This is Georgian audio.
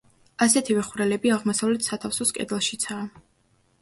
ასეთივე ხვრელები აღმოსავლეთ სათავსოს კედელშიცაა.